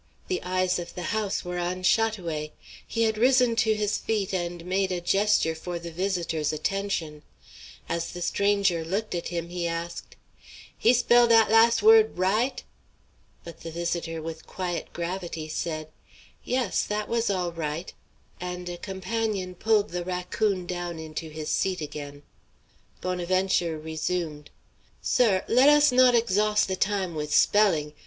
The eyes of the house were on Chat oué. He had risen to his feet and made a gesture for the visitor's attention. As the stranger looked at him he asked: "He spell dat las word r i i ight?" But the visitor with quiet gravity said, "Yes, that was all right;" and a companion pulled the Raccoon down into his seat again. Bonaventure resumed. "Sir, let us not exhoss the time with spelling!